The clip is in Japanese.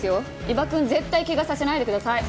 伊庭くん絶対怪我させないでください。